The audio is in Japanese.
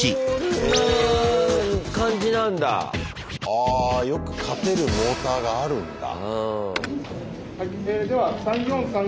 あよく勝てるモーターがあるんだ。